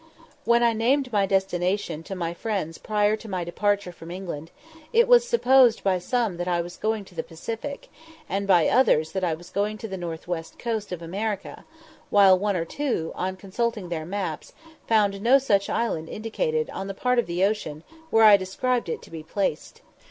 When I named my destination to my friends prior to my departure from England, it was supposed by some that I was going to the Pacific, and by others that I was going to the north west coast of America, while one or two, on consulting their maps, found no such island indicated in the part of the ocean where I described it to be placed.